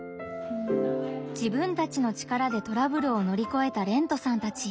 自分たちの力でトラブルをのりこえたれんとさんたち。